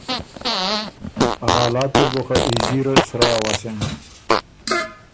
ا حالات اِر بُو خه ایزیره سرۀ اؤسېن